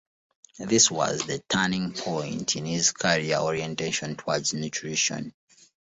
This was the turning point in his career orientation towards nutrition.